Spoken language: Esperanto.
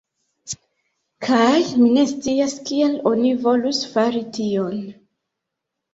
Kaj mi ne scias kial oni volus fari tion.